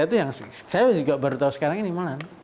itu yang saya juga baru tahu sekarang ini mana